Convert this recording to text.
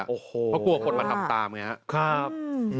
เพราะกลัวคนมันทำตามอย่างนี้นะครับ